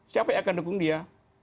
siapa yang akan dukung dia